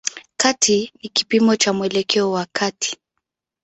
Kati ni kipimo cha mwelekeo wa kati.